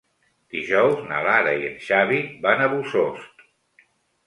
Dijous na Lara i en Xavi van a Bossòst.